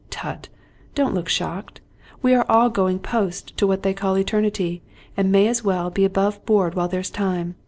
Tut ! Don't look shocked ! We are all go ing post to what they call eternity, and may as well be above board while there's time.